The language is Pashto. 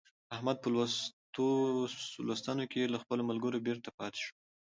احمد په لوستونو کې له خپلو ملګرو بېرته پاته شو.